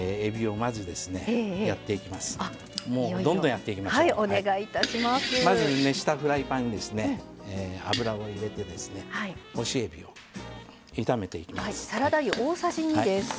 まず熱したフライパンに油を入れて干しえびを炒めていきます。